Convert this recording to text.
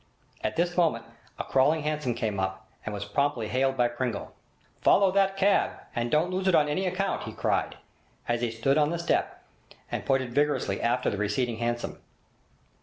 At this moment a 'crawling' hansom came up, and was promptly hailed by Pringle. 'Follow that cab and don't lose it on any account!' he cried, as he stood on the step and pointed vigorously after the receding hansom.